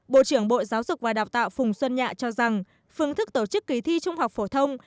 bộ trưởng bộ giáo dục và đào tạo phùng xuân nhạ cho rằng phương thức tổ chức kỳ thi trung học phổ thông